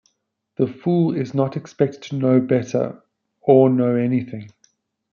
The fool is not expected to "know better" or "know" anything.